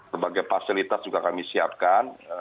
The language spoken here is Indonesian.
berbagai fasilitas juga kami siapkan